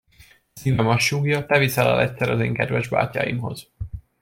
A szívem azt súgja, te viszel el egyszer az én kedves bátyáimhoz!